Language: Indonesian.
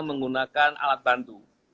menggunakan alat bantu